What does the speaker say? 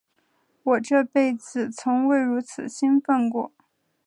我这辈子从未如此兴奋过。